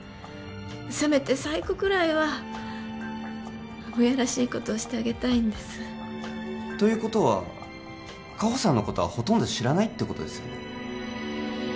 せめて最後くらいは親らしいことをしてあげたいんですということは果歩さんのことはほとんど知らないってことですよね？